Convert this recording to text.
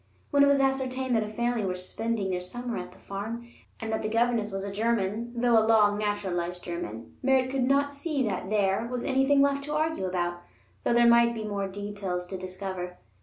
When it was ascertained that a family were spending their summer at the farm, and that the governess was a German, though a long naturalized German, Merritt could not see that there was anything left to argue about, though there might be many details to discover.